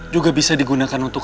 juga bisa digunakan untuk